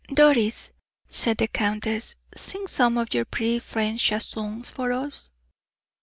"Doris," said the countess, "sing some of your pretty French chansons for us.